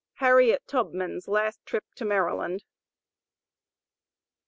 HARRIET TUBMAN'S LAST "TRIP" TO MARYLAND.